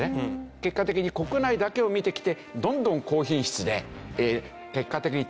結果的に国内だけを見てきてどんどん高品質で結果的に高いものになっちゃった。